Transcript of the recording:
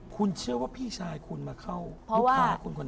คุณเชื่อว่าพี่ชายคุณมาเข้าลูกค้าคุณคน